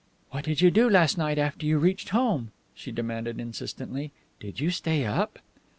"What did you do last night after you reached home?" she demanded insistently. "Did you stay up?"